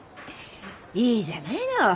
いいじゃないの。